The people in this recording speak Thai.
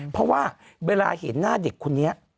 เพราะว่าเวลาเห็นหน้าเด็กคนนี้